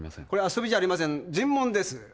遊びじゃありません尋問です。